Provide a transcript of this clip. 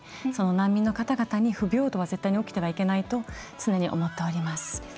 難民の方々に不平等は絶対に起きてはいけないと思っています。